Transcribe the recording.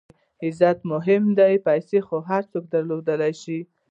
عزت مهم دئ، پېسې خو هر څوک درلودلای سي.